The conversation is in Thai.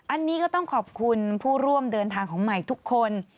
อันนี้ก็ต้องขอบคุณผู้ร่วมเดินทางของใหม่ทุกคน